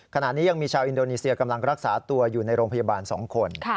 ขณะนี้ยังมีชาวอินโดนีเซียกำลังรักษาตัวอยู่ในโรงพยาบาล๒คน